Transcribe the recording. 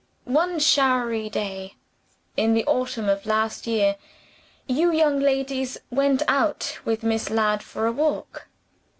One showery day in the autumn of last year, you young ladies went out with Miss Ladd for a walk.